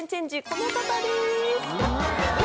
この方です。